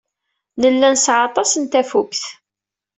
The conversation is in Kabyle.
Nella nesɛa aṭas n tafukt.